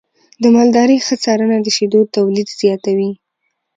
د مالدارۍ ښه څارنه د شیدو تولید زیاتوي.